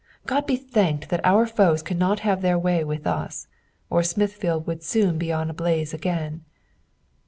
God be thanked that our foes cannot have their way with us, or fiuiithfield would soon be on a blaze again.